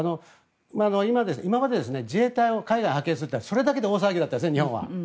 今まで自衛隊を海外に派遣するというのはそれだけで日本は大騒ぎだったですよね。